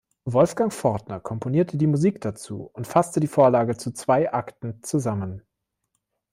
Wolfgang Fortner komponierte die Musik dazu und fasste die Vorlage zu zwei Akten zusammen.